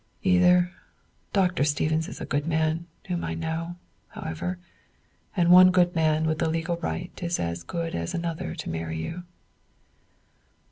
"Either. Dr. Stephens is a good man, whom I know, however; and one good man with the legal right is as good as another to marry you."